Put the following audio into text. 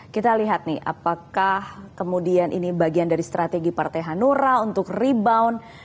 kita lihat nih apakah kemudian ini bagian dari strategi partai hanura untuk rebound